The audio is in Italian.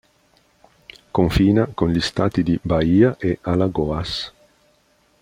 Confina con gli Stati di Bahia e Alagoas.